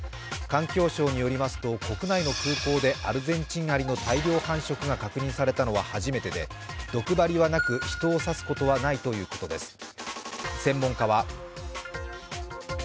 環境省によりますと国内の空港でアルゼンチンアリの大量繁殖が確認されたのは初めてで毒針はなく、人を刺すことはないということです。